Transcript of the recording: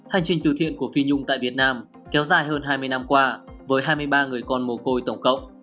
hành trình từ thiện của phi nhung tại việt nam kéo dài hơn hai mươi năm qua với hai mươi ba người con mồ côi tổng cộng